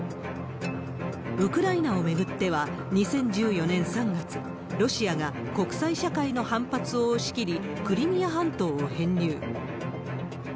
ウクライナを巡っては、２０１４年３月、ロシアが国際社会の反発を押し切り、クリミア半島を編入。